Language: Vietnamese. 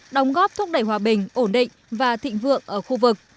đóng góp thúc đẩy hòa bình ổn định và thịnh vượng ở khu vực